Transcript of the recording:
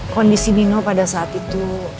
kondisi nino pada saat itu